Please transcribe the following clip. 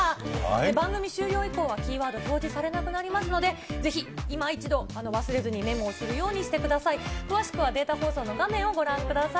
番組終了以降はキーワード、表示されなくなりますので、ぜひいま一度、忘れずにメモをするようにしてください。